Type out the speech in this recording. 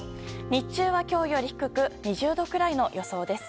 日中は今日より低く２０度くらいの予想です。